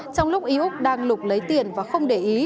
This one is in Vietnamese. trong lúc ý úc đang lục lấy tiền và không để ý